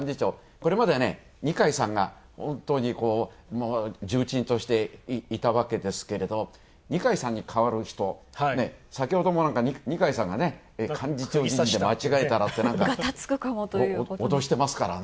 これまでは二階さんが本当に重鎮としていたわけですけれど、二階さんに代わる人、先ほども二階さんが幹事長間違えたらって脅してますからね。